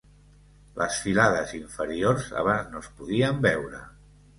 Les filades inferiors abans no es podien veure.